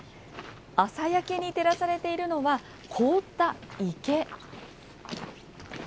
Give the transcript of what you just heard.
朝焼けに照らされているのは凍った池。